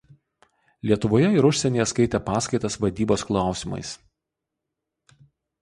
Lietuvoje ir užsienyje skaitė paskaitas vadybos klausimais.